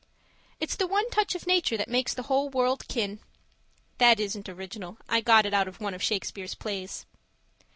It's the one touch of nature that makes the whole world kin. (That isn't original. I got it out of one of Shakespeare's plays).